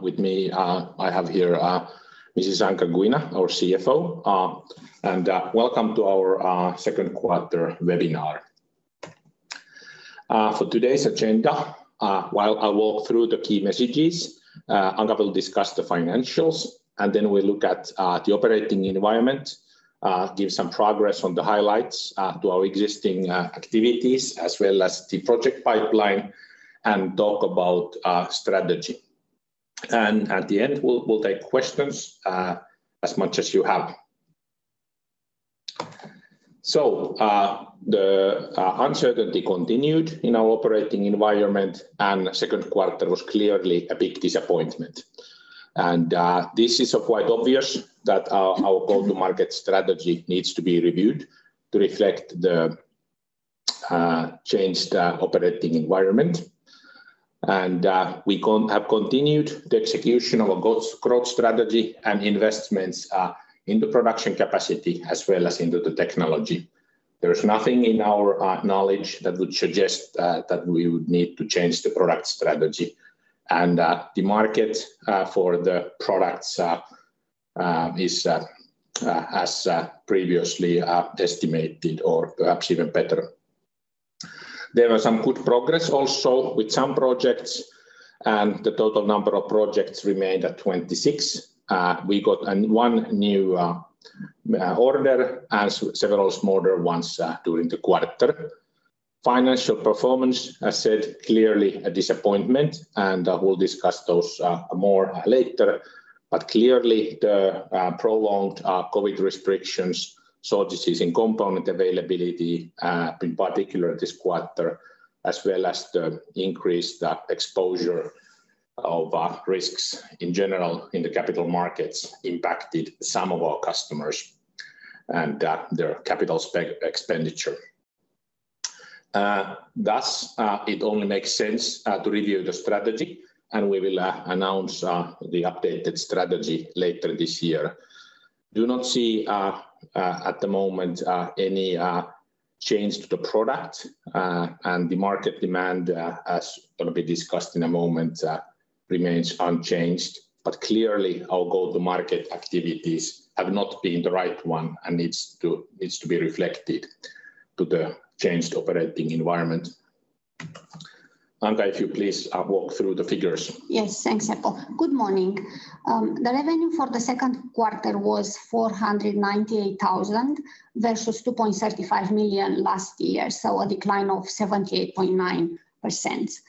With me, I have here, Mrs. Anca Guina, our CFO. Welcome to our second quarter webinar. For today's agenda, while I walk through the key messages, Anca will discuss the financials, and then we'll look at the operating environment, give some progress on the highlights to our existing activities as well as the project pipeline and talk about strategy. At the end, we'll take questions as much as you have. The uncertainty continued in our operating environment, and second quarter was clearly a big disappointment. This is quite obvious that our go-to-market strategy needs to be reviewed to reflect the changed operating environment. We have continued the execution of our growth strategy and investments in the production capacity as well as into the technology. There is nothing in our knowledge that would suggest that we would need to change the product strategy. The market for the products is as previously estimated or perhaps even better. There was some good progress also with some projects, and the total number of projects remained at 26. We got one new order and several smaller ones during the quarter. Financial performance, as said, clearly a disappointment, and we'll discuss those more later. Clearly the prolonged COVID restrictions, shortages in component availability, in particular this quarter, as well as the increased exposure of risks in general in the capital markets impacted some of our customers and their capital expenditure. Thus, it only makes sense to review the strategy, and we will announce the updated strategy later this year. Do not see at the moment any change to the product and the market demand as gonna be discussed in a moment remains unchanged. Clearly our go-to-market activities have not been the right one and needs to be reflected to the changed operating environment. Anca, if you please, walk through the figures. Yes. Thanks, Seppo. Good morning. The revenue for the second quarter was 498,000 versus 2.35 million last year, so a decline of 78.9%.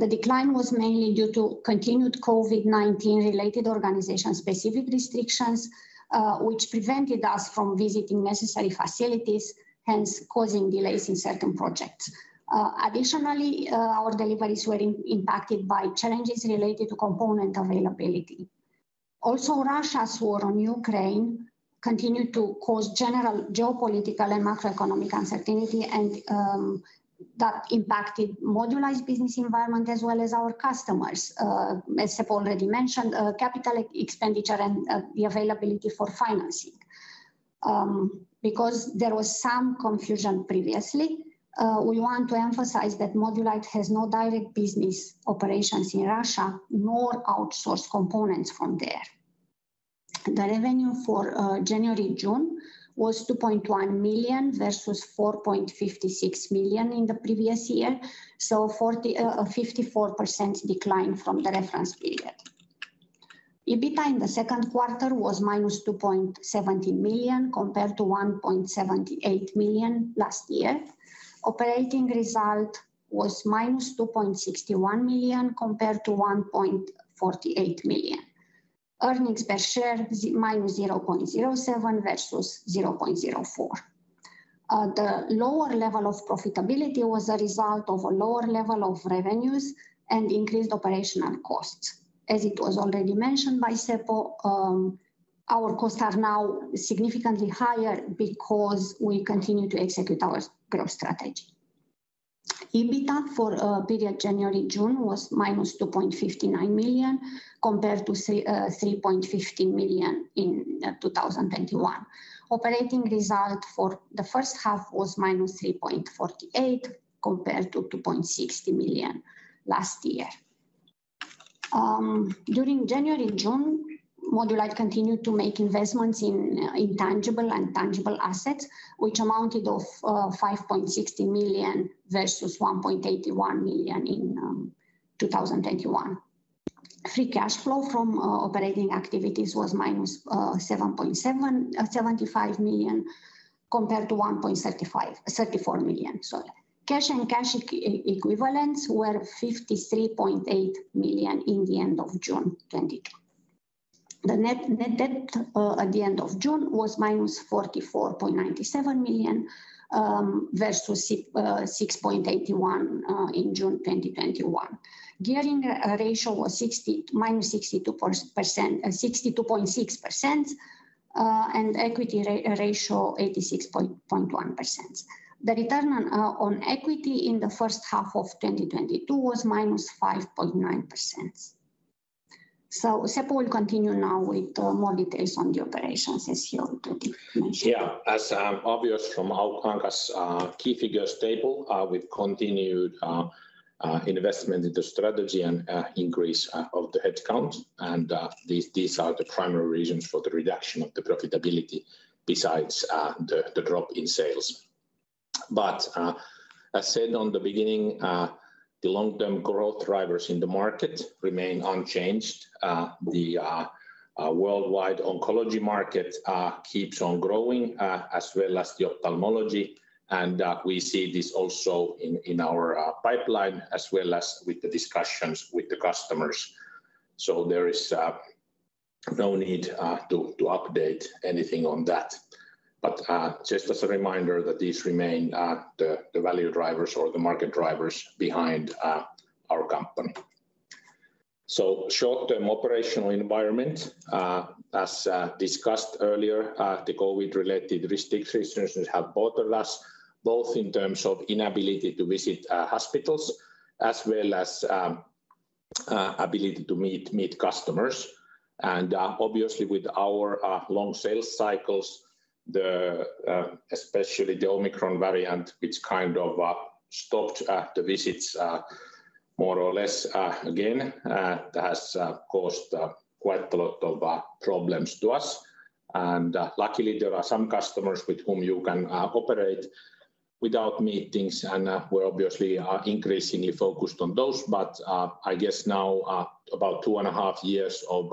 The decline was mainly due to continued COVID-19 related organization-specific restrictions, which prevented us from visiting necessary facilities, hence causing delays in certain projects. Additionally, our deliveries were impacted by challenges related to component availability. Also, Russia's war on Ukraine continued to cause general geopolitical and macroeconomic uncertainty and that impacted Modulight's business environment as well as our customers. As Seppo already mentioned, capital expenditure and the availability for financing. Because there was some confusion previously, we want to emphasize that Modulight has no direct business operations in Russia, nor outsourced components from there. The revenue for January-June was 2.1 million versus 4.56 million in the previous year, so 54% decline from the reference period. EBITDA in the second quarter was -2.70 million compared to 1.78 million last year. Operating result was -2.61 million compared to 1.48 million. Earnings per share was -0.07 versus 0.04. The lower level of profitability was a result of a lower level of revenues and increased operational costs. As it was already mentioned by Seppo, our costs are now significantly higher because we continue to execute our growth strategy. EBITDA for period January-June was -2.59 million compared to 3.50 million in 2021. Operating result for the first half was -3.48 compared to 2.60 million last year. During January to June, Modulight continued to make investments in intangible and tangible assets, which amounted to 5.60 million versus 1.81 million in 2021. Free cash flow from operating activities was -7.75 million compared to 1.34 million. Cash and cash equivalents were 53.8 million at the end of June 2022. Net debt at the end of June was -44.97 million versus 6.81 in June 2021. Gearing ratio was -62.6%, and equity ratio 86.1%. The return on equity in the first half of 2022 was -5.9%. Seppo will continue now with more details on the operations as he already mentioned. Yeah. As obvious from Anca's key figures table, we've continued investment into strategy and increase of the headcount. These are the primary reasons for the reduction of the profitability besides the drop in sales. As said at the beginning, the long-term growth drivers in the market remain unchanged. The worldwide oncology market keeps on growing as well as the ophthalmology. We see this also in our pipeline as well as with the discussions with the customers. There is no need to update anything on that. Just as a reminder that these remain the value drivers or the market drivers behind our company. Short-term operational environment, as discussed earlier, the COVID-related restrictions have bothered us both in terms of inability to visit hospitals as well as ability to meet customers. Obviously with our long sales cycles, especially the Omicron variant, which kind of stopped the visits more or less again, has caused quite a lot of problems to us. Luckily, there are some customers with whom you can operate without meetings, and we're obviously increasingly focused on those. I guess now about two and a half years of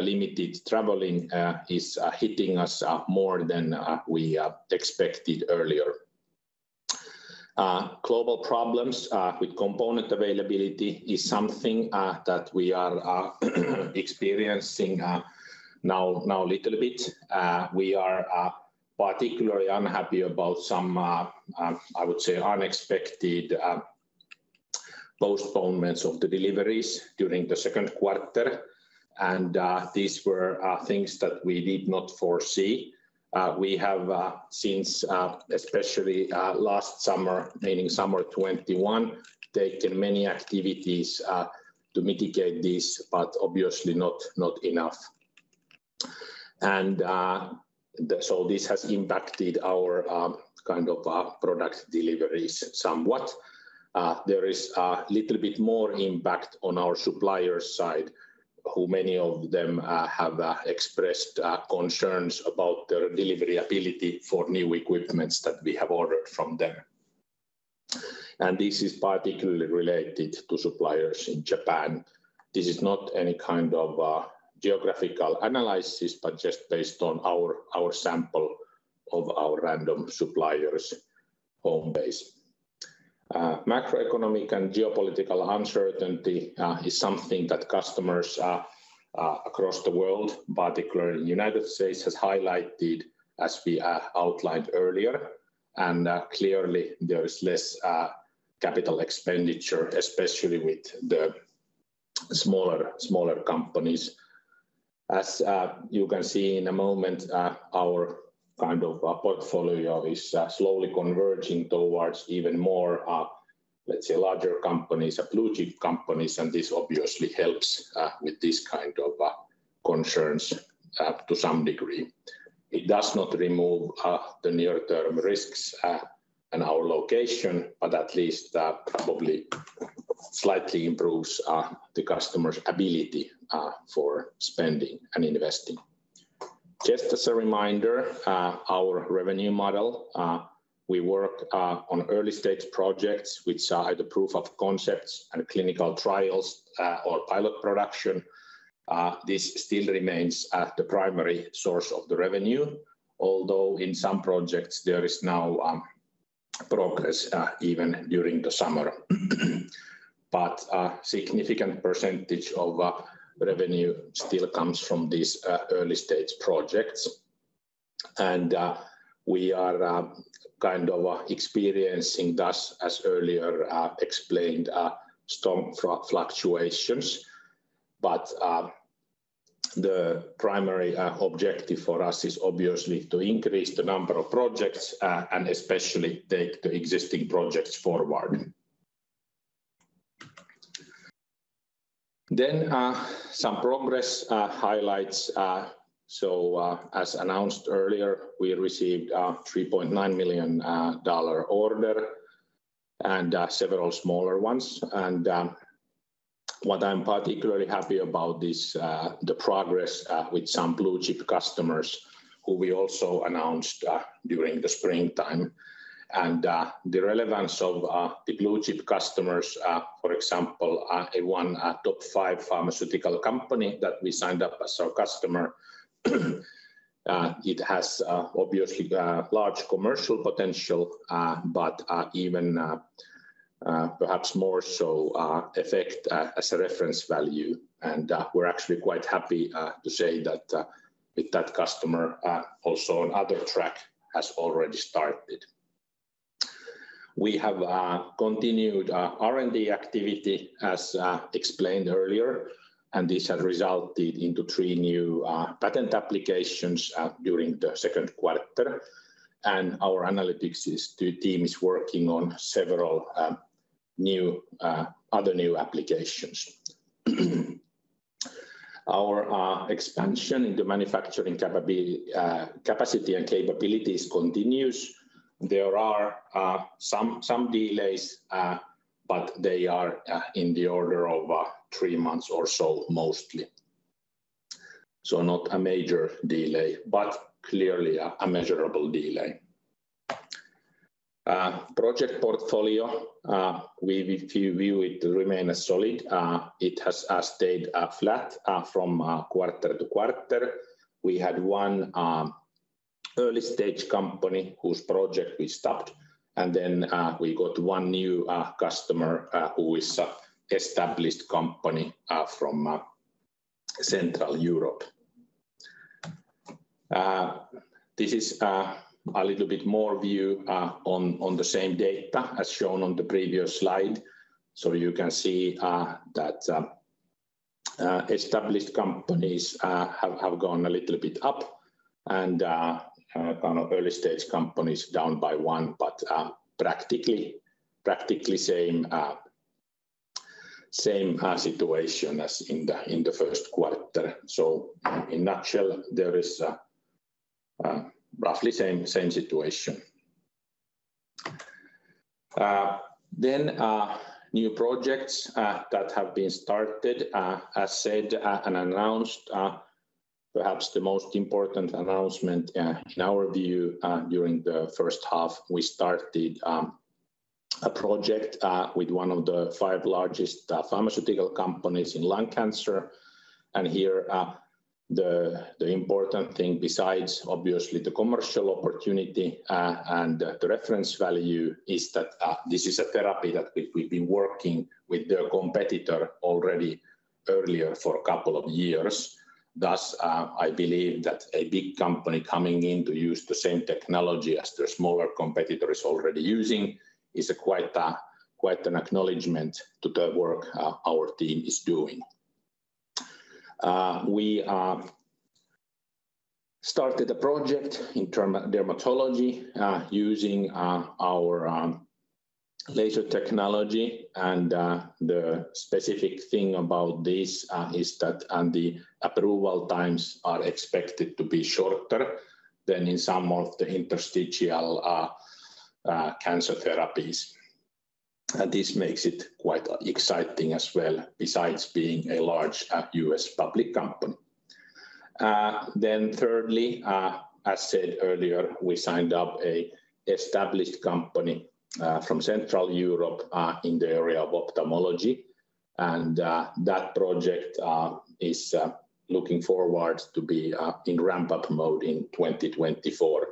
limited traveling is hitting us more than we expected earlier. Global problems with component availability is something that we are experiencing now a little bit. We are particularly unhappy about some, I would say unexpected, postponements of the deliveries during the second quarter. These were things that we did not foresee. We have since especially last summer, meaning summer 2021, taken many activities to mitigate this, but obviously not enough. This has impacted our kind of product deliveries somewhat. There is a little bit more impact on our supplier side, who many of them have expressed concerns about their delivery ability for new equipments that we have ordered from them. This is particularly related to suppliers in Japan. This is not any kind of geographical analysis, but just based on our sample of our random suppliers' home base. Macroeconomic and geopolitical uncertainty is something that customers across the world, particularly United States, has highlighted as we outlined earlier. Clearly there is less capital expenditure, especially with the smaller companies. As you can see in a moment, our kind of portfolio is slowly converging towards even more, let's say larger companies, blue chip companies, and this obviously helps with this kind of concerns to some degree. It does not remove the near-term risks and our location, but at least probably slightly improves the customer's ability for spending and investing. Just as a reminder, our revenue model, we work on early stage projects which are either proofs of concept and clinical trials, or pilot production. This still remains the primary source of the revenue, although in some projects there is now progress even during the summer. A significant percentage of revenue still comes from these early stage projects. We are kind of experiencing this, as earlier explained, strong fluctuations. The primary objective for us is obviously to increase the number of projects and especially take the existing projects forward. Some progress highlights. As announced earlier, we received $3.9 million order and several smaller ones. What I'm particularly happy about is the progress with some blue chip customers who we also announced during the springtime. The relevance of the blue chip customers, for example, a top five pharmaceutical company that we signed up as our customer, it has obviously large commercial potential, but even perhaps more so effect as a reference value. We're actually quite happy to say that with that customer also another track has already started. We have continued R&D activity, as explained earlier, and this has resulted into three new patent applications during the second quarter. Our analytics team is working on several other new applications. Our expansion in the manufacturing capacity and capabilities continues. There are some delays, but they are in the order of three months or so mostly. Not a major delay, but clearly a measurable delay. Project portfolio, we view it remain as solid. It has stayed flat from quarter to quarter. We had one early stage company whose project we stopped, and then we got one new customer who is an established company from Central Europe. This is a little bit more view on the same data as shown on the previous slide. You can see that established companies have gone a little bit up and kind of early stage companies down by one, but practically same situation as in the first quarter. In a nutshell, there is roughly same situation. New projects that have been started, as said, and announced, perhaps the most important announcement in our view during the first half, we started a project with one of the five largest pharmaceutical companies in lung cancer. Here, the important thing besides obviously the commercial opportunity and the reference value is that this is a therapy that we've been working with their competitor already earlier for a couple of years. Thus, I believe that a big company coming in to use the same technology as their smaller competitor is already using is quite an acknowledgment to the work our team is doing. We started a project in dermatology using our laser technology. The specific thing about this is that the approval times are expected to be shorter than in some of the interstitial cancer therapies. This makes it quite exciting as well, besides being a large U.S. public company. Thirdly, as said earlier, we signed up an established company from Central Europe in the area of ophthalmology, and that project is looking forward to be in ramp-up mode in 2024.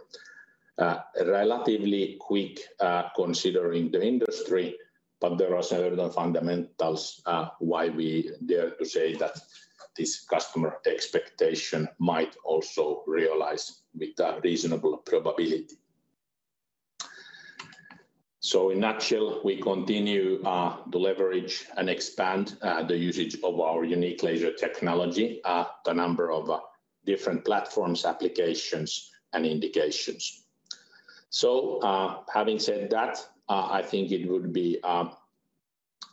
Relatively quick, considering the industry, but there are certain fundamentals why we dare to say that this customer expectation might also realize with a reasonable probability. In a nutshell, we continue to leverage and expand the usage of our unique laser technology the number of different platforms, applications, and indications. Having said that, I think it would be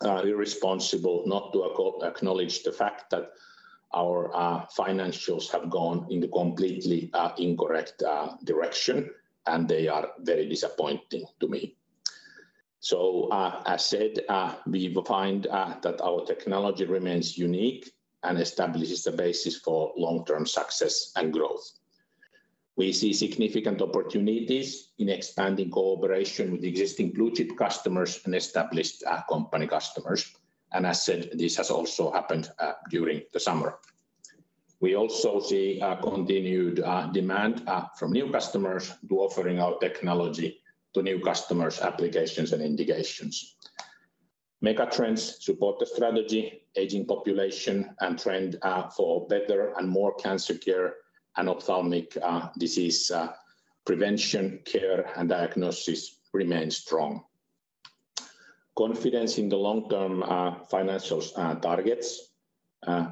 irresponsible not to acknowledge the fact that our financials have gone in the completely incorrect direction, and they are very disappointing to me. As said, we find that our technology remains unique and establishes the basis for long-term success and growth. We see significant opportunities in expanding cooperation with existing blue-chip customers and established company customers. As said, this has also happened during the summer. We also see continued demand from new customers to offering our technology to new customers, applications and indications. Megatrends support the strategy, aging population, and trend for better and more cancer care and ophthalmic disease prevention, care, and diagnosis remain strong. Confidence in the long-term financials targets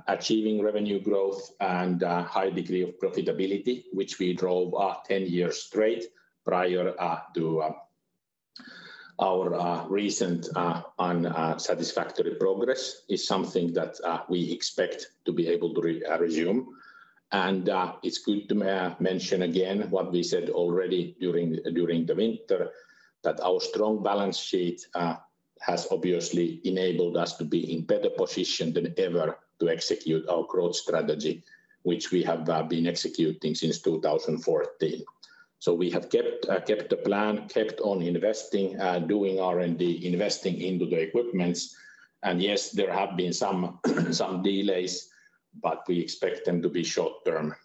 achieving revenue growth and high degree of profitability, which we drove 10 years straight prior to our recent unsatisfactory progress is something that we expect to be able to resume. It's good to mention again what we said already during the winter that our strong balance sheet has obviously enabled us to be in better position than ever to execute our growth strategy, which we have been executing since 2014. We have kept the plan, kept on investing, doing R&D, investing into the equipment. Yes, there have been some delays, but we expect them to be short-term.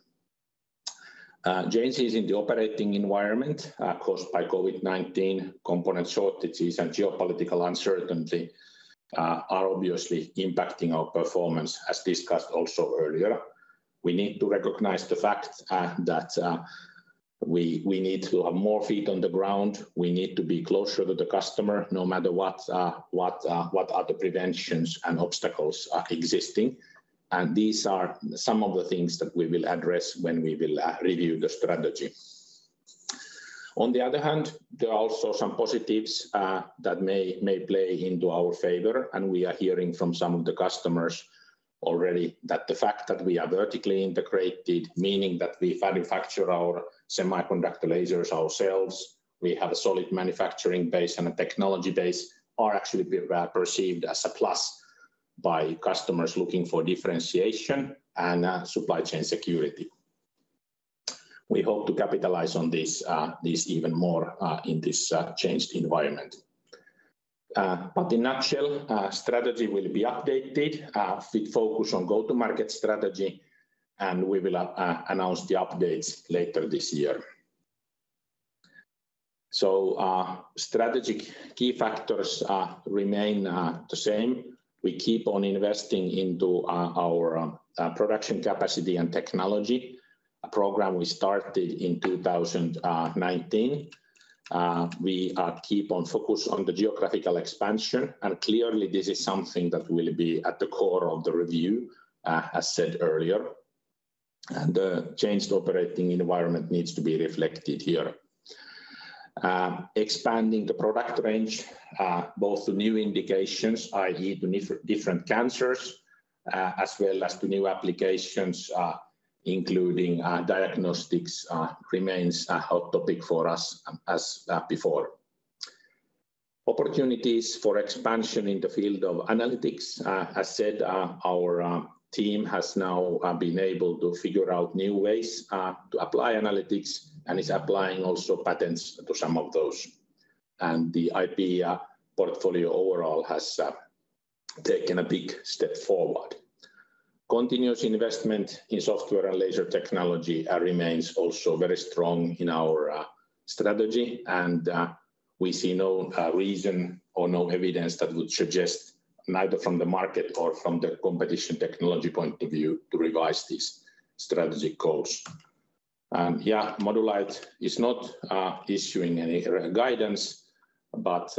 Changes in the operating environment, caused by COVID-19, component shortages and geopolitical uncertainty, are obviously impacting our performance, as discussed also earlier. We need to recognize the fact that we need to have more feet on the ground. We need to be closer to the customer no matter what the preventions and obstacles are existing. These are some of the things that we will address when we will review the strategy. On the other hand, there are also some positives that may play into our favor, and we are hearing from some of the customers already that the fact that we are vertically integrated, meaning that we manufacture our semiconductor lasers ourselves, we have a solid manufacturing base and a technology base, are actually perceived as a plus by customers looking for differentiation and supply chain security. We hope to capitalize on this even more in this changed environment. In a nutshell, strategy will be updated with focus on go-to-market strategy, and we will announce the updates later this year. Strategic key factors remain the same. We keep on investing into our production capacity and technology, a program we started in 2019. We keep our focus on the geographical expansion, and clearly this is something that will be at the core of the review, as said earlier. The changed operating environment needs to be reflected here. Expanding the product range, both the new indications, i.e., the different cancers, as well as the new applications, including diagnostics, remains a hot topic for us as before. Opportunities for expansion in the field of analytics. As said, our team has now been able to figure out new ways to apply analytics and is applying also patents to some of those, and the IP portfolio overall has taken a big step forward. Continuous investment in software and laser technology remains also very strong in our strategy, and we see no reason or no evidence that would suggest neither from the market or from the competition technology point of view to revise these strategy goals. Yeah, Modulight is not issuing any guidance, but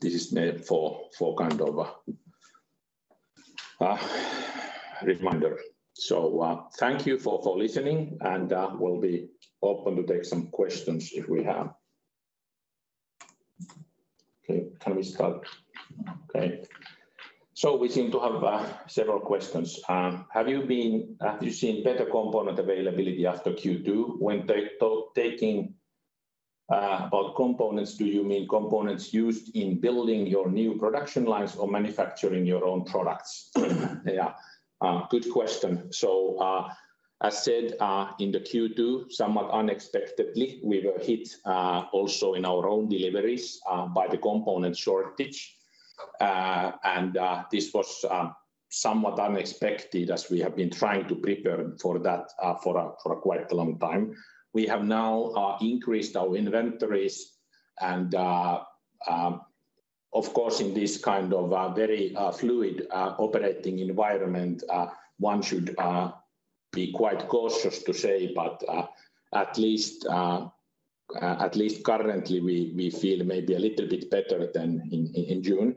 this is made for kind of a reminder. Thank you for listening and we'll be open to take some questions if we have. Okay, can we start? Okay. We seem to have several questions. Have you seen better component availability after Q2? When taking about components, do you mean components used in building your new production lines or manufacturing your own products? Yeah. Good question. As said, in the Q2, somewhat unexpectedly, we were hit also in our own deliveries by the component shortage. This was somewhat unexpected as we have been trying to prepare for that for quite a long time. We have now increased our inventories and of course in this kind of very fluid operating environment one should be quite cautious to say, but at least currently we feel maybe a little bit better than in June.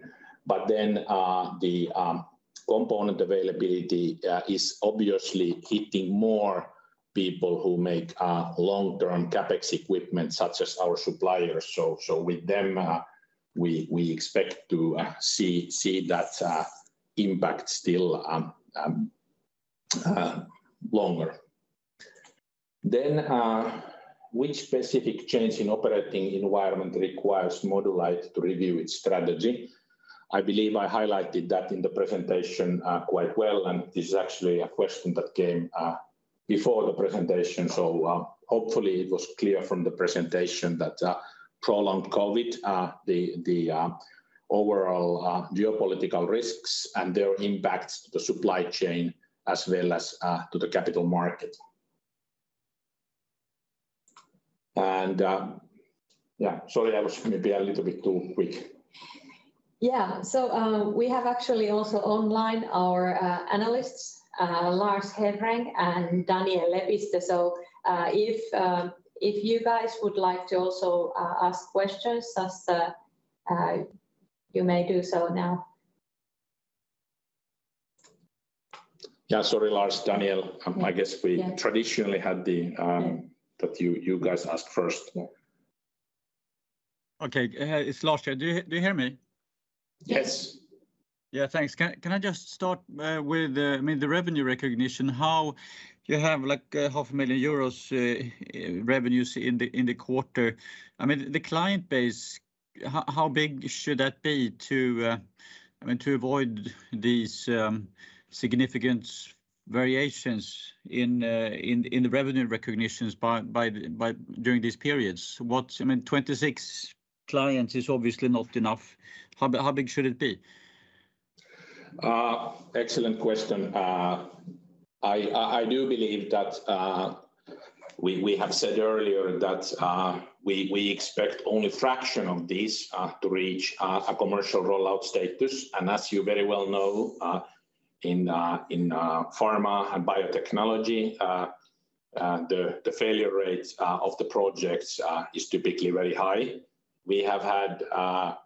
The component availability is obviously hitting more people who make long-term CapEx equipment such as our suppliers. With them we expect to see that impact still longer. Which specific change in operating environment requires Modulight to review its strategy? I believe I highlighted that in the presentation quite well, and this is actually a question that came before the presentation. Hopefully it was clear from the presentation that prolonged COVID, the overall geopolitical risks and their impacts to the supply chain as well as to the capital market. Yeah. Sorry, I was maybe a little bit too quick. We have actually also online our analysts, Lars Hevreng and Daniel Lepistö. If you guys would like to also ask questions, just you may do so now. Yeah, sorry, Lars, Daniel. I guess we traditionally had the that you guys ask first. Okay. It's Lars here. Do you hear me? Yes. Yeah. Thanks. Can I just start with I mean, the revenue recognition? How you have like EUR half a million revenues in the quarter? I mean, the client base, how big should that be to I mean, to avoid these significant variations in the revenue recognitions during these periods? 26 clients is obviously not enough. How big should it be? Excellent question. I do believe that we have said earlier that we expect only fraction of this to reach a commercial rollout status. As you very well know, in pharma and biotechnology, the failure rates of the projects is typically very high. We have had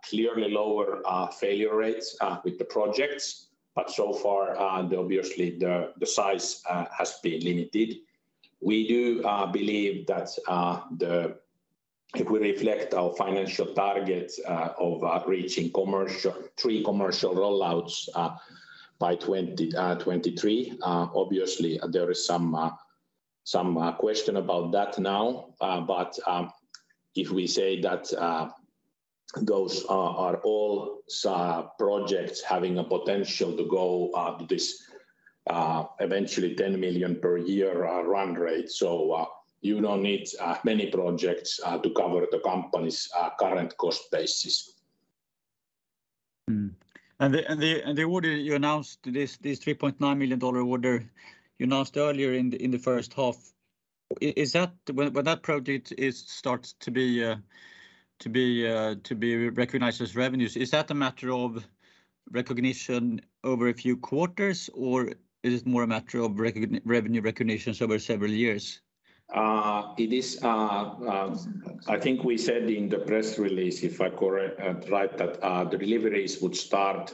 clearly lower failure rates with the projects, but so far, obviously the size has been limited. We do believe that if we reflect our financial targets of reaching three commercial roll-outs by 2023. Obviously there is some question about that now. If we say that those are all projects having a potential to go to this eventually 10 million per year run rate. You don't need many projects to cover the company's current cost basis. The order you announced, this $3.9 million order you announced earlier in the first half. When that project starts to be recognized as revenues, is that a matter of recognition over a few quarters or is it more a matter of revenue recognitions over several years? It is, I think we said in the press release, if I recall right, that the deliveries would start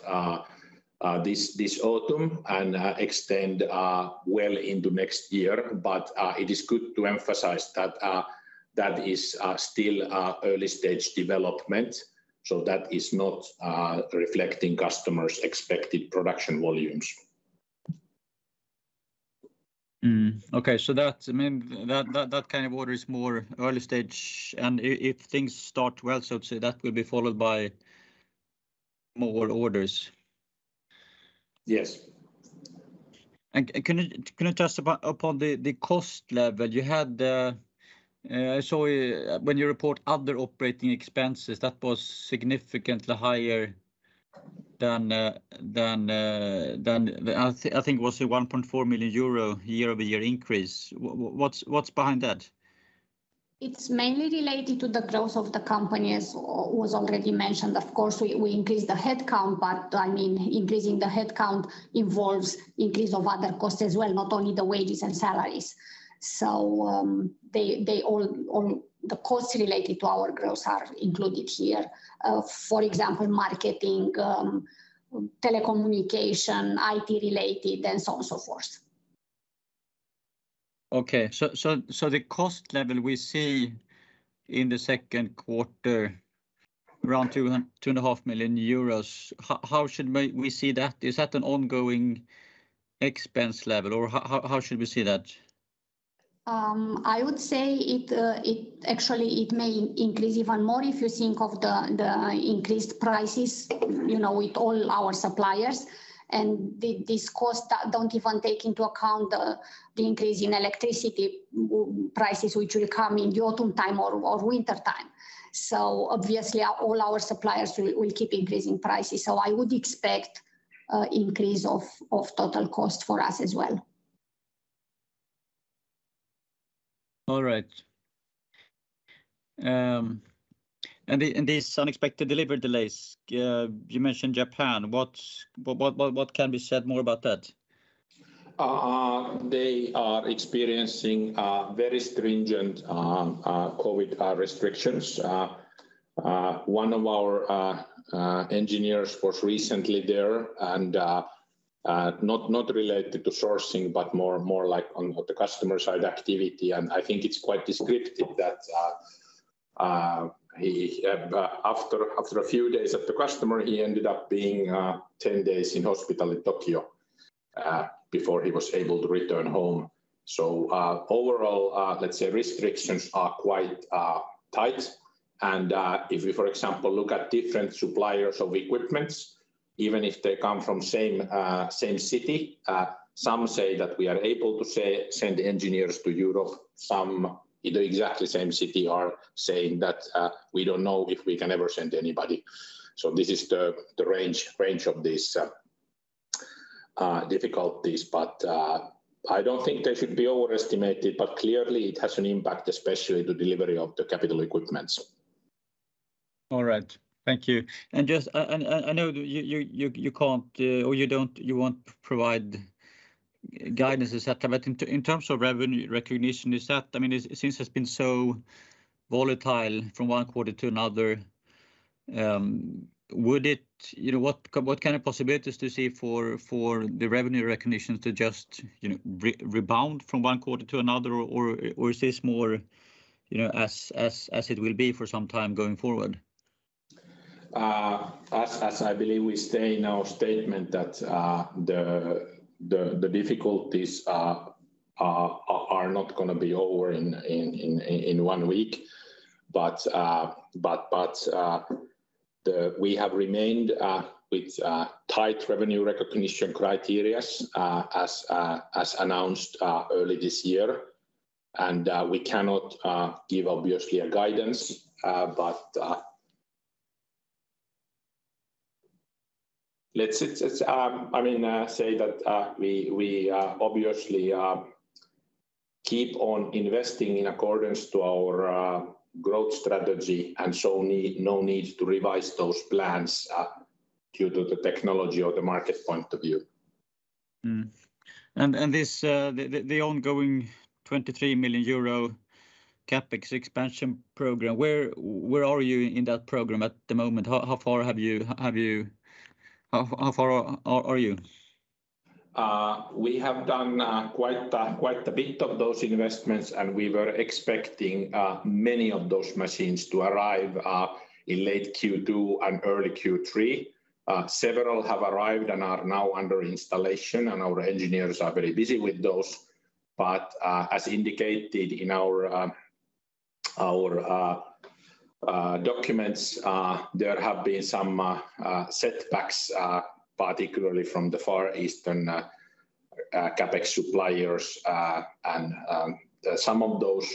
this autumn and extend well into next year. It is good to emphasize that that is still early stage development, so that is not reflecting customers' expected production volumes. That's, I mean, that kind of order is more early stage, and if things start well, so to say, that will be followed by more orders. Yes. Can you touch upon the cost level? You had so when you report other operating expenses, that was significantly higher. I think it was a 1.4 million euro year-over-year increase. What's behind that? It's mainly related to the growth of the company, as was already mentioned. Of course, we increased the headcount, but I mean, increasing the headcount involves increase of other costs as well, not only the wages and salaries. They all, the costs related to our growth are included here. For example, marketing, telecommunication, IT related, and so on and so forth. The cost level we see in the second quarter, around 2 million-2.5 million euros, how should we see that? Is that an ongoing expense level or how should we see that? I would say it actually may increase even more if you think of the increased prices, you know, with all our suppliers. These costs don't even take into account the increase in electricity prices which will come in the autumn time or wintertime. Obviously all our suppliers will keep increasing prices. I would expect increase of total cost for us as well. All right. These unexpected delivery delays, you mentioned Japan. What can be said more about that? They are experiencing very stringent COVID restrictions. One of our engineers was recently there and not related to sourcing, but more like on the customer side activity. I think it's quite descriptive that after a few days at the customer, he ended up being 10 days in hospital in Tokyo before he was able to return home. Overall, let's say restrictions are quite tight. If you, for example, look at different suppliers of equipment, even if they come from same city, some say that we are able to send engineers to Europe. Some in the exact same city are saying that we don't know if we can ever send anybody. This is the range of these difficulties. I don't think they should be overestimated, but clearly it has an impact, especially the delivery of the capital equipment. All right. Thank you. Just, I know you can't or you don't, you won't provide guidances that come out in terms of revenue recognition. I mean, since it's been so volatile from one quarter to another, you know, what kind of possibilities do you see for the revenue recognition to just, you know, rebound from one quarter to another? Or is this more, you know, as it will be for some time going forward? As I believe we stay in our statement that the difficulties are not gonna be over in one week, but we have remained with tight revenue recognition criteria, as announced early this year. We cannot give obviously a guidance, but let's I mean say that we obviously keep on investing in accordance to our growth strategy, and so no need to revise those plans due to the technology or the market point of view. This, the ongoing 23 million euro CapEx expansion program, where are you in that program at the moment? How far are you? We have done quite a bit of those investments, and we were expecting many of those machines to arrive in late Q2 and early Q3. Several have arrived and are now under installation, and our engineers are very busy with those. As indicated in our documents, there have been some setbacks, particularly from the Far Eastern CapEx suppliers. Some of those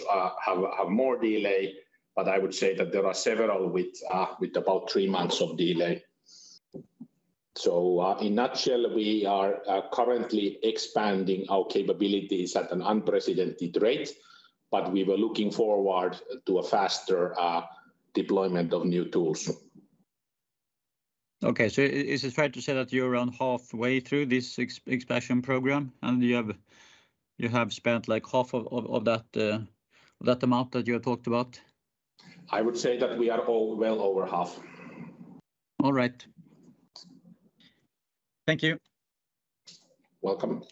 have more delay, but I would say that there are several with about three months of delay. In a nutshell, we are currently expanding our capabilities at an unprecedented rate, but we were looking forward to a faster deployment of new tools. Okay. Is it fair to say that you're around halfway through this expansion program, and you have spent, like, half of that amount that you have talked about? I would say that we are all well over half. All right. Thank you. Welcome.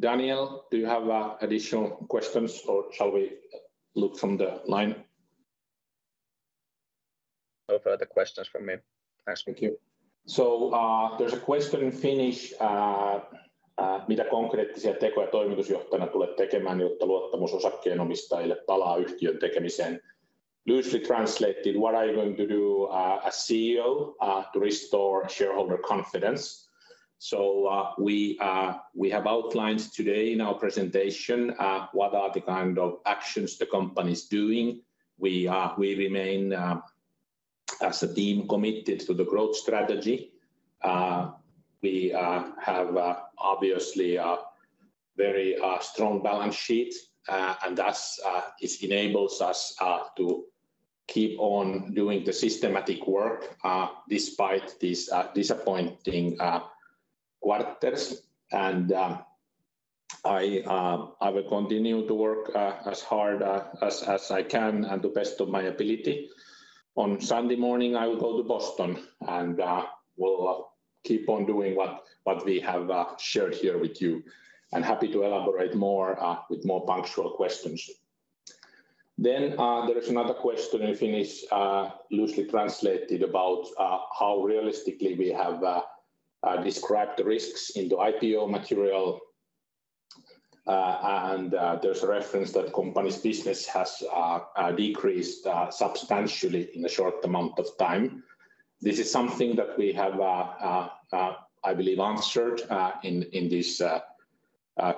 Daniel, do you have additional questions, or shall we look from the line? No further questions from me. Thanks. Thank you. There's a question in Finnish. Loosely translated, "What are you going to do, as CEO, to restore shareholder confidence?" We have outlined today in our presentation what are the kind of actions the company's doing. We remain as a team committed to the growth strategy. We have obviously a very strong balance sheet, and thus, this enables us to keep on doing the systematic work despite these disappointing quarters. I will continue to work as hard as I can and to best of my ability. On Sunday morning, I will go to Boston, and we'll keep on doing what we have shared here with you. I'm happy to elaborate more with more particular questions. There is another question in Finnish, loosely translated, about how realistically we have described the risks in the IPO material. There's a reference that the company's business has decreased substantially in a short amount of time. This is something that we have, I believe, answered in this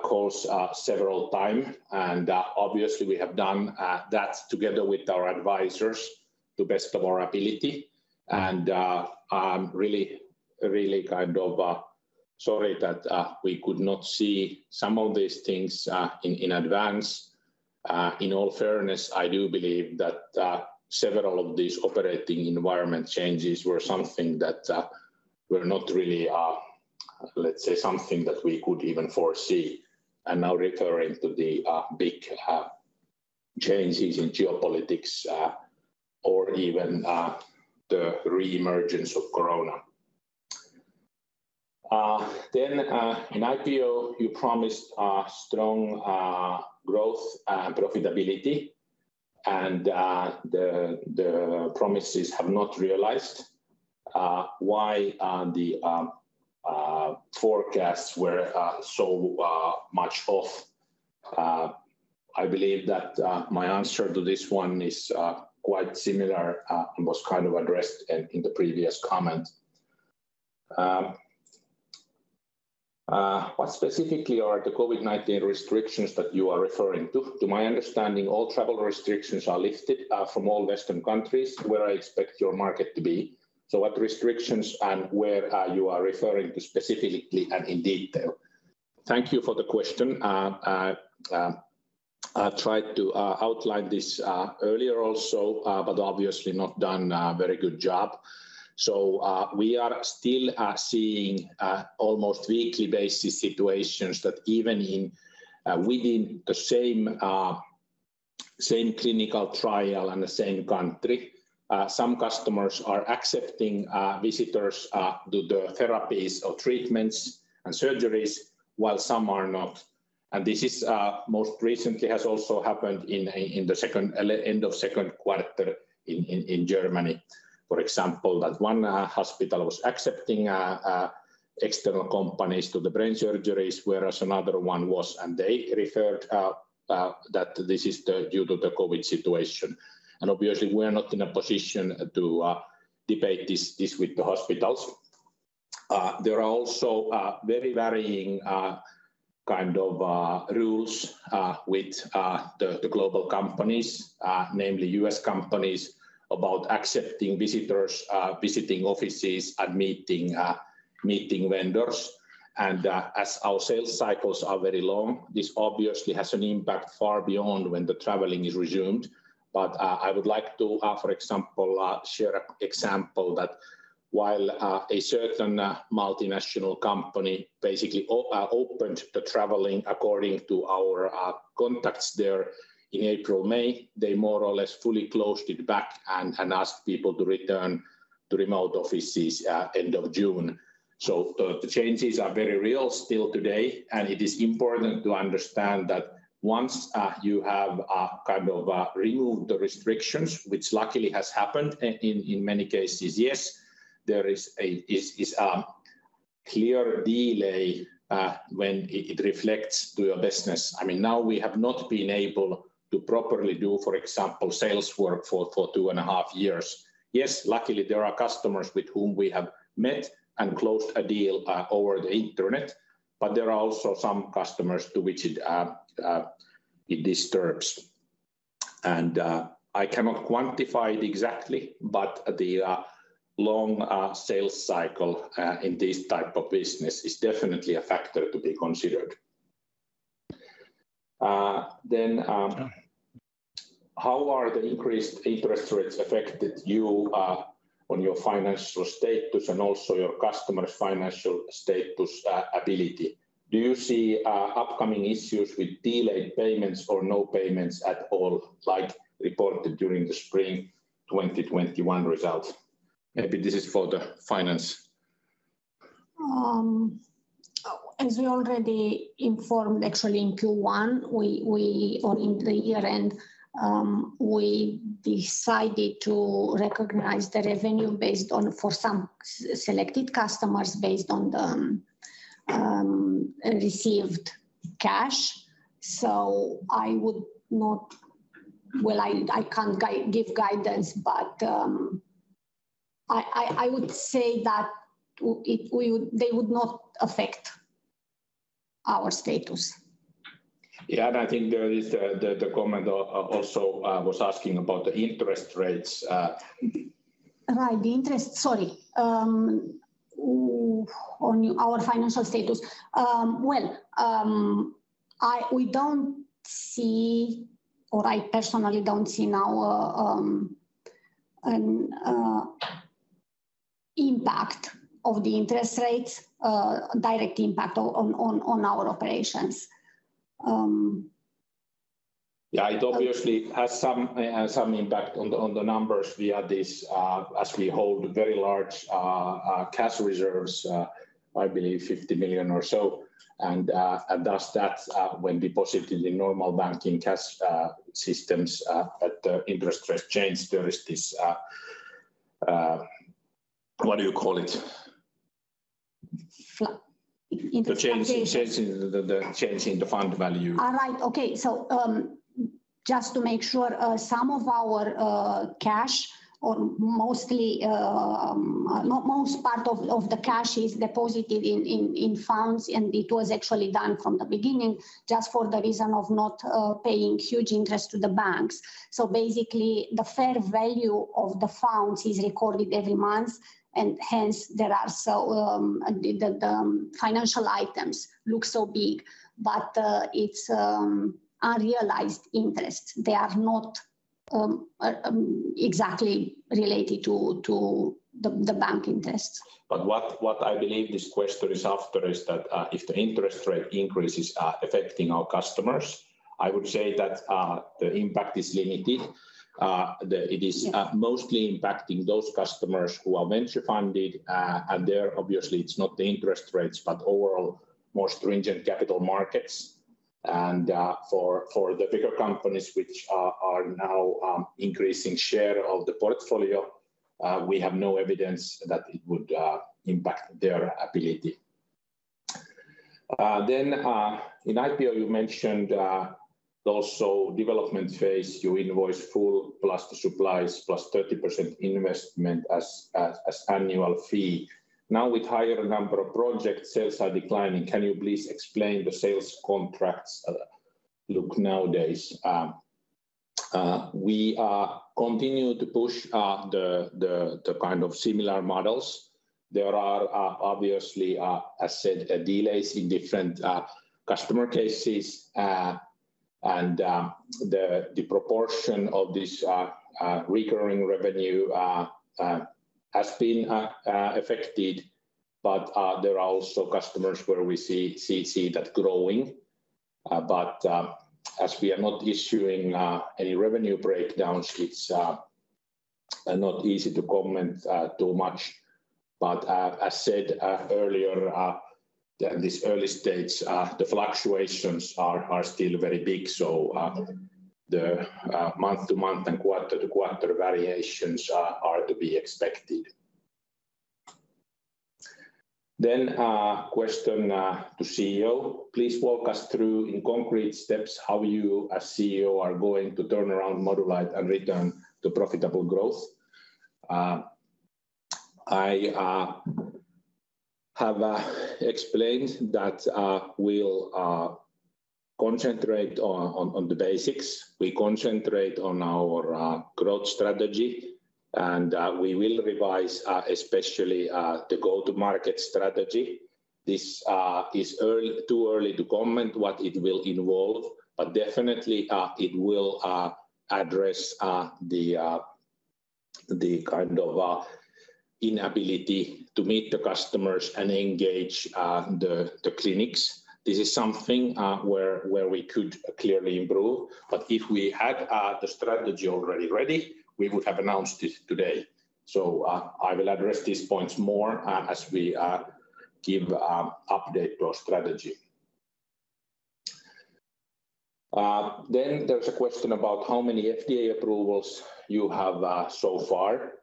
call several times. Obviously we have done that together with our advisors to the best of our ability. I'm really, really kind of sorry that we could not see some of these things in advance. In all fairness, I do believe that several of these operating environment changes were something that were not really, let's say, something that we could even foresee. I'm now referring to the big changes in geopolitics or even the reemergence of Corona. In IPO, you promised strong growth, profitability, and the promises have not realized. Why were the forecasts so much off? I believe that my answer to this one is quite similar and was kind of addressed in the previous comment. What specifically are the COVID-19 restrictions that you are referring to? To my understanding, all travel restrictions are lifted from all Western countries where I expect your market to be. What restrictions and where are you referring to specifically and in detail? Thank you for the question. I tried to outline this earlier also, but obviously not done a very good job. We are still seeing almost weekly basis situations that even within the same clinical trial and the same country, some customers are accepting visitors to the therapies or treatments and surgeries, while some are not. This is most recently has also happened in the second end of second quarter in Germany. For example, that one hospital was accepting external companies to the brain surgeries, whereas another one was, and they referred that this is due to the COVID situation. Obviously we're not in a position to debate this with the hospitals. There are also very varying kind of rules with the global companies, namely U.S. companies, about accepting visitors, visiting offices and meeting vendors. As our sales cycles are very long, this obviously has an impact far beyond when the traveling is resumed. I would like to, for example, share an example that while a certain multinational company basically opened the traveling according to our contacts there in April, May. They more or less fully closed it back and asked people to return to remote offices at end of June. The changes are very real still today, and it is important to understand that once you have kind of removed the restrictions, which luckily has happened in many cases. Yes, there is a clear delay when it reflects to your business. I mean, now we have not been able to properly do, for example, sales work for two and a half years. Yes, luckily there are customers with whom we have met and closed a deal over the internet, but there are also some customers to which it disturbs. I cannot quantify it exactly, but the long sales cycle in this type of business is definitely a factor to be considered. How are the increased interest rates affected you on your financial status and also your customers' financial status ability? Do you see upcoming issues with delayed payments or no payments at all like reported during the spring 2021 results? Maybe this is for the finance. As we already informed actually in Q1, we or in the year-end, we decided to recognize the revenue based on for some selected customers based on the received cash. I would not. Well, I can't give guidance, but I would say that they would not affect our status. Yeah. I think there is the comment also was asking about the interest rates. Right. Sorry, on our financial status. Well, we don't see or I personally don't see now an impact of the interest rates, direct impact on our operations. Yeah. It obviously has some impact on the numbers via this, as we hold very large cash reserves, I believe 50 million or so. Thus that's when deposited in normal banking cash systems at the interest rate change, there is this what do you call it? Fl-in- The change- Okay The change in the fund value. Just to make sure, some of our cash or mostly most part of the cash is deposited in funds, and it was actually done from the beginning just for the reason of not paying huge interest to the banks. Basically the fair value of the funds is recorded every month, and hence the financial items look so big. It's unrealized interest. They are not exactly related to the banking costs. What I believe this question is after is that, if the interest rate increases are affecting our customers, I would say that the impact is limited. Yeah Mostly impacting those customers who are venture funded. There obviously it's not the interest rates, but overall more stringent capital markets. For the bigger companies which are now increasing share of the portfolio, we have no evidence that it would impact their ability. In IPO you mentioned, also development phase, you invoice full plus the supplies plus 30% investment as annual fee. Now with higher number of projects, sales are declining. Can you please explain the sales contracts look nowadays? We are continue to push the kind of similar models. There are obviously, I said, delays in different customer cases. The proportion of this recurring revenue has been affected. There are also customers where we see that growing. As we are not issuing any revenue breakdowns, it's not easy to comment too much. As said earlier, these early stages, the fluctuations are still very big. Yeah The month-to-month and quarter-to-quarter variations are to be expected. Question to CEO: Please walk us through in concrete steps how you as CEO are going to turn around Modulight and return to profitable growth. I have explained that we'll concentrate on the basics. We concentrate on our growth strategy, and we will revise, especially, the go-to-market strategy. This is too early to comment what it will involve, but definitely, it will address the kind of inability to meet the customers and engage the clinics. This is something where we could clearly improve. If we had the strategy already ready, we would have announced it today. I will address these points more as we give update to our strategy. There is a question about how many FDA approvals you have so far.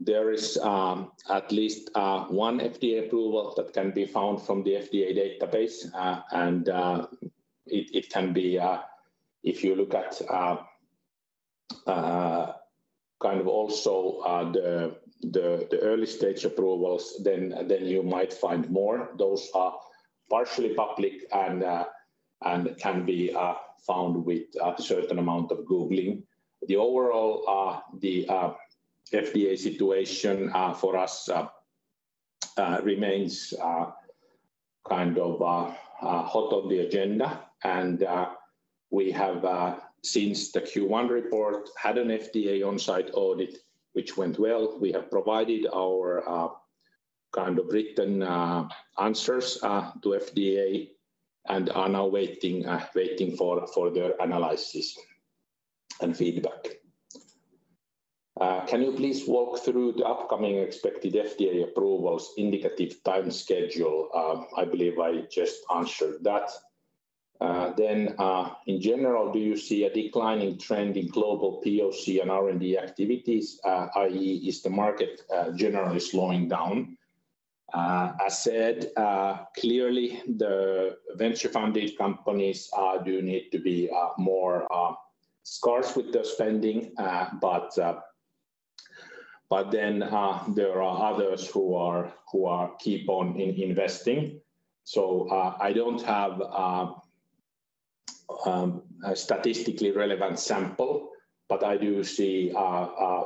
There is at least one FDA approval that can be found from the FDA database. It can be. If you look at kind of also the early-stage approvals, then you might find more. Those are partially public and can be found with a certain amount of Googling. The overall FDA situation for us remains kind of hot on the agenda. We have since the Q1 report had an FDA on-site audit, which went well. We have provided our kind of written answers to FDA and are now waiting for their analysis and feedback. Can you please walk through the upcoming expected FDA approvals indicative time schedule? I believe I just answered that. In general, do you see a declining trend in global POC and R&D activities? i.e., is the market generally slowing down? I said clearly the venture-funded companies do need to be more scarce with their spending. But then there are others who are keep on investing. I don't have a statistically relevant sample, but I do see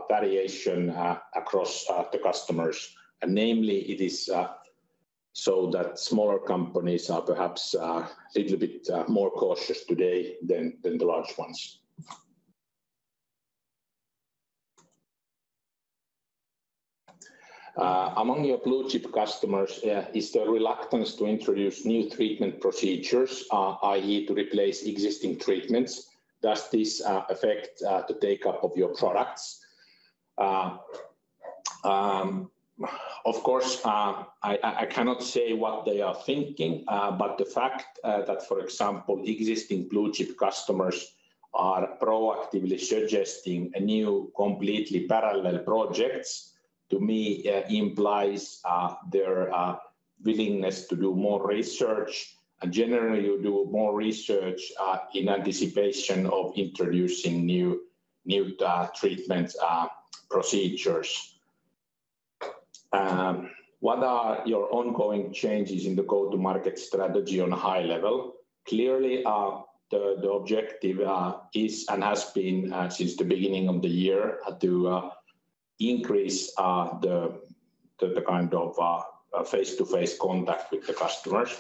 variation across the customers. Namely, it is so that smaller companies are perhaps a little bit more cautious today than the large ones. Among your blue-chip customers, is there reluctance to introduce new treatment procedures, i.e., to replace existing treatments? Does this affect the take-up of your products? Of course, I cannot say what they are thinking, but the fact that, for example, existing blue-chip customers are proactively suggesting new completely parallel projects, to me, implies their willingness to do more research. Generally, you do more research in anticipation of introducing new treatment procedures. What are your ongoing changes in the go-to-market strategy on a high level? Clearly, the objective is and has been since the beginning of the year to increase the kind of face-to-face contact with the customers.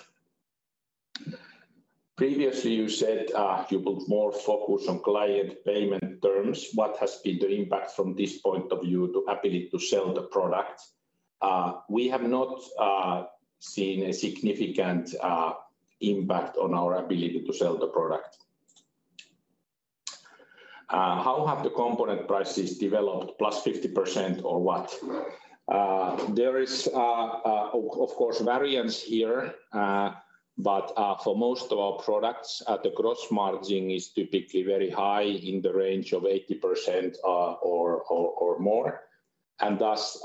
Previously, you said you put more focus on client payment terms. What has been the impact from this point of view to ability to sell the product? We have not seen a significant impact on our ability to sell the product. How have the component prices developed, plus 50% or what? There is of course variance here, but for most of our products, the gross margin is typically very high in the range of 80% or more. Thus,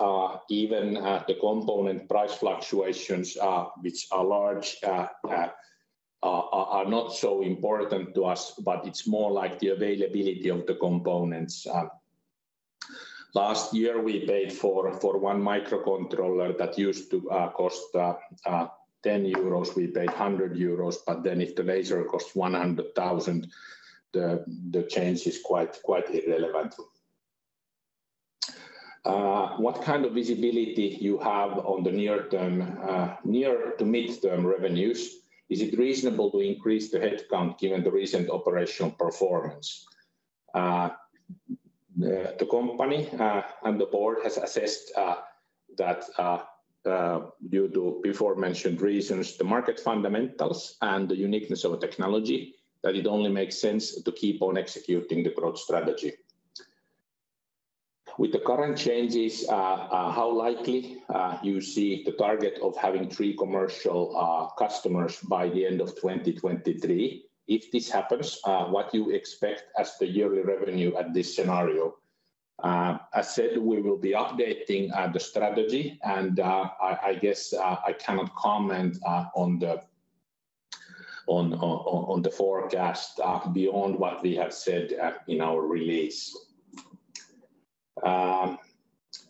even the component price fluctuations, which are large, are not so important to us, but it's more like the availability of the components. Last year, we paid for one microcontroller that used to cost 10 euros, we paid 100 euros, but then if the laser costs 100,000, the change is quite irrelevant. What kind of visibility you have on the near-term, near- to midterm revenues? Is it reasonable to increase the headcount given the recent operational performance? The company and the board has assessed that, due to aforementioned reasons, the market fundamentals and the uniqueness of the technology, that it only makes sense to keep on executing the growth strategy. With the current changes, how likely you see the target of having three commercial customers by the end of 2023? If this happens, what you expect as the yearly revenue at this scenario? I said we will be updating the strategy, and I guess I cannot comment on the forecast beyond what we have said in our release.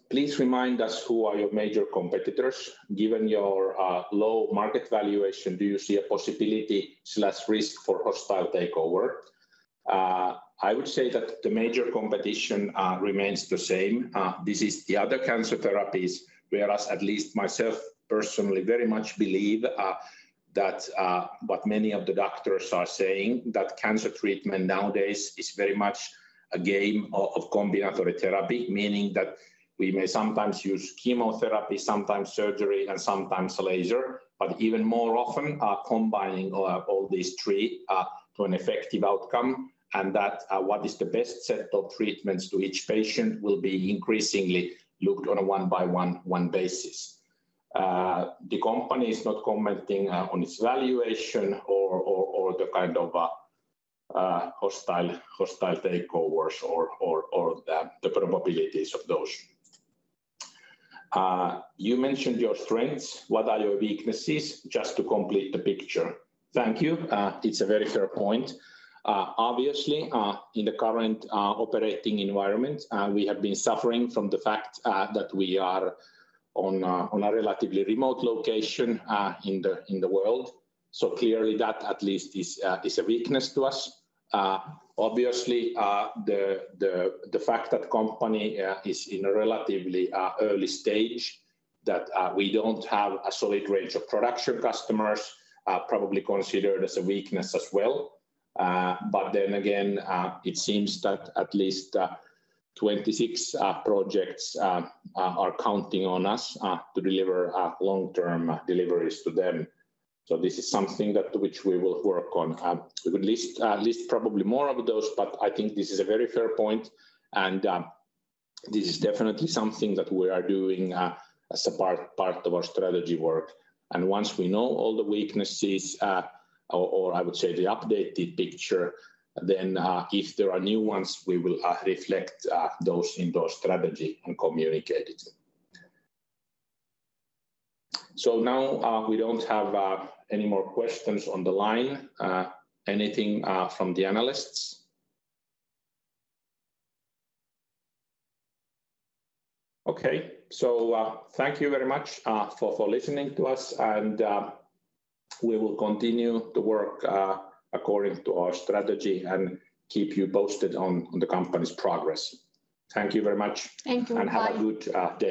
Please remind us who are your major competitors? Given your low market valuation, do you see a possibility or risk for hostile takeover? I would say that the major competition remains the same. This is the other cancer therapies, whereas at least myself personally very much believe that what many of the doctors are saying that cancer treatment nowadays is very much a game of combination therapy, meaning that we may sometimes use chemotherapy, sometimes surgery, and sometimes laser, but even more often are combining all these three to an effective outcome and that what is the best set of treatments to each patient will be increasingly looked on a one by one basis. The company is not commenting on its valuation or the kind of hostile takeovers or the probabilities of those. You mentioned your strengths. What are your weaknesses just to complete the picture? Thank you. It's a very fair point. Obviously, in the current operating environment, we have been suffering from the fact that we are on a relatively remote location in the world. Clearly that at least is a weakness to us. Obviously, the fact that company is in a relatively early stage that we don't have a solid range of production customers probably considered as a weakness as well. Then again, it seems that at least 26 projects are counting on us to deliver long-term deliveries to them. This is something which we will work on. We could list probably more of those, but I think this is a very fair point. This is definitely something that we are doing, as a part of our strategy work. Once we know all the weaknesses, or I would say the updated picture, then, if there are new ones, we will reflect those in the strategy and communicate it. Now, we don't have any more questions on the line. Anything from the analysts? Okay. Thank you very much for listening to us and we will continue to work according to our strategy and keep you posted on the company's progress. Thank you very much. Thank you. Bye. Have a good day.